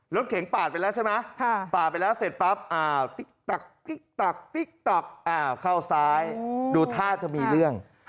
รถเข็งปากไปแล้วใช่ไหมปากไปแล้วเสร็จปั๊บเข้าซ้ายดูท่าจะมีเรื่อง